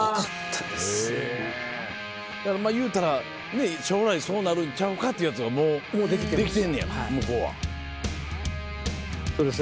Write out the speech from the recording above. だからいうたら将来そうなるんちゃうかっていうやつがもうできてんねや向こうは。